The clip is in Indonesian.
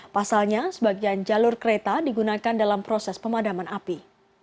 pasalnya sebagian jalur kereta digunakan dalam proses pemadaman api